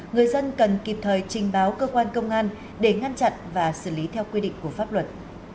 người dân cần kịp thời trình báo cơ quan công an để ngăn chặn và xử lý theo quy định của pháp luật